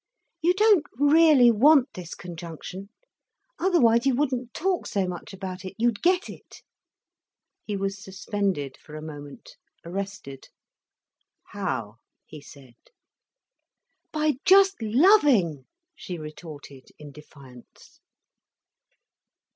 You don't really want this conjunction, otherwise you wouldn't talk so much about it, you'd get it." He was suspended for a moment, arrested. "How?" he said. "By just loving," she retorted in defiance.